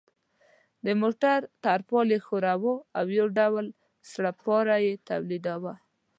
د موټر ترپال یې ښوراوه او یو ډول سړپاری یې تولیداوه.